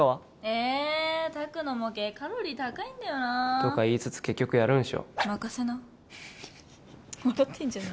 え拓の模型カロリー高いんだよなとか言いつつ結局やるんでしょ任せなフフフフフ笑ってんじゃねえ